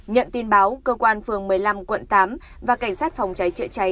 nhận tin báo cơ quan phường một mươi năm quận tám và cảnh sát phòng cháy chữa cháy